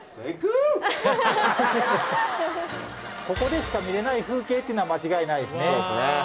ここでしか見れない風景っていうのは間違いないですね。